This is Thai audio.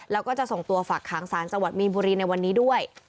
แล้วก็จะส่งตัวฝากขังสารจังหวัดมีนบุรีในวันนี้ด้วย